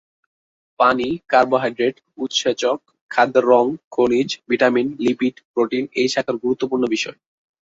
পানি, কার্বোহাইড্রেট, উৎসেচক, খাদ্যের রং, খনিজ, ভিটামিন, লিপিড, প্রোটিন এই শাখার গুরুত্বপূর্ণ বিষয়।